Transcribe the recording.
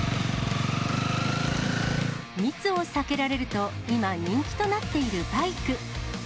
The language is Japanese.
密を避けられると、今、人気となっているバイク。